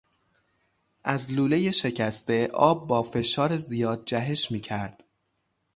از لولهی شکسته آب با فشار زیاد جهش میکرد.